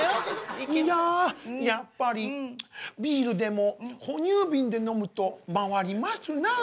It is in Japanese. いややっぱりビールでも哺乳瓶で飲むと回りますなあ。